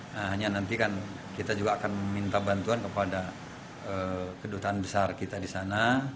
nah hanya nanti kan kita juga akan meminta bantuan kepada kedutaan besar kita di sana